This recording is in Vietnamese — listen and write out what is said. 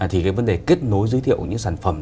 thì cái vấn đề kết nối giới thiệu những sản phẩm